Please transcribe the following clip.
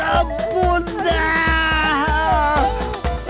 ya ampun dah